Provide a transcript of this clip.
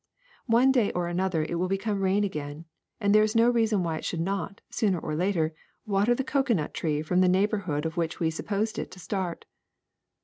One day or an other it will become rain again, and there is no rea son why it should not, sooner or later, water the cocoanut tree from the neighborhood of which we supposed it to start.